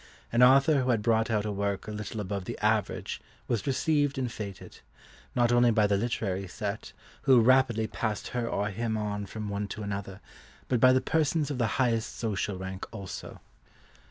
An author who had brought out a work a little above the average was received and fêted, not only by the literary set, who rapidly passed her or him on from one to another, but by the persons of the highest social rank also.